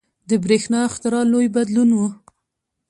• د برېښنا اختراع لوی بدلون و.